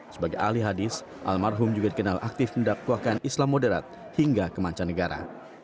sebagai ahli hadis al marhum juga dikenal aktif mendakwahkan islam moderat hingga kemancah negara